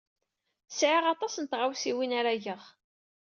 Sɛiɣ aṭas n tɣawsiwin ara geɣ.